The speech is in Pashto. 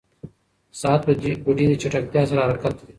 ساعت په ډېرې چټکتیا سره حرکت کوي.